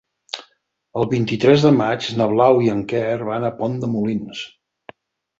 El vint-i-tres de maig na Blau i en Quer van a Pont de Molins.